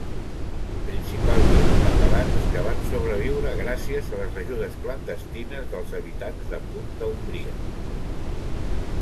Principalment catalans que van sobreviure gràcies a les ajudes clandestines dels habitants de Punta Ombria.